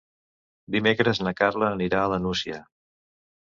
Dimecres na Carla anirà a la Nucia.